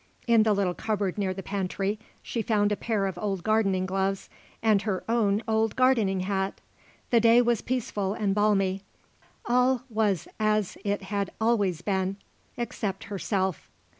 In the little cupboard near the pantry she found a pair of old gardening gloves and her own old gardening hat. The day was peaceful and balmy; all was as it had always been, except herself.